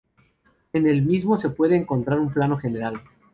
En el mismo se puede encontrar un Plano general.